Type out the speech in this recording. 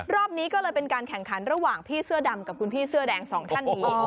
รอบนี้ก็เลยเป็นการแข่งขันระหว่างพี่เสื้อดำกับคุณพี่เสื้อแดงสองท่านนี้